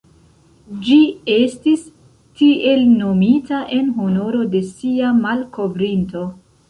Ĝi estis tiel nomita en honoro de sia malkovrinto.